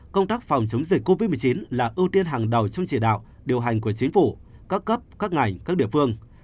công tác phòng chống dịch covid một mươi chín là ưu tiên hàng đầu trong chỉ đạo điều hành của chính phủ các cấp các ngành các địa phương